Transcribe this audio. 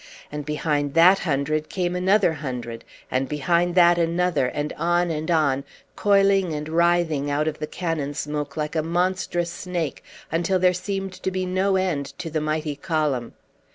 And behind that hundred came another hundred, and behind that another, and on and on, coiling and writhing out of the cannon smoke like a monstrous snake, until there seemed to be no end to the mighty column.